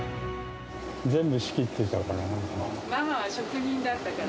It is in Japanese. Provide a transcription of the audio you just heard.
全部仕切ってたから。